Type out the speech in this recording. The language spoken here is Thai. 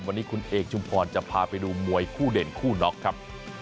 วันนี้คุณเอกชุมพรจะพาไปดูมวยคู่เด่นคู่น็อกครับ